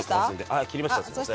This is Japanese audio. はい切りましたすいません。